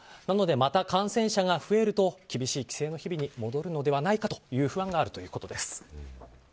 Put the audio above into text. なので、また感染者が増えると厳しい規制の日々に戻るのではないかという不安があるということです。